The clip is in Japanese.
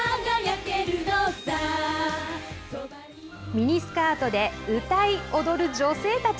ミニスカートで歌い踊る、女性たち。